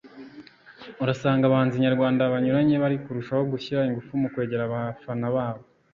urasanga abahanzi nyarwanda banyuranye bari kurushaho gushyira ingufu mu kwegera abafana babo